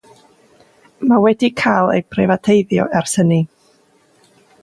Mae wedi cael ei breifateiddio ers hynny.